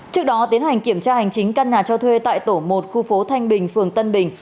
trước đó tiến hành kiểm tra hành chính căn nhà cho thuê tại tổ một khu phố thanh bình phường tân bình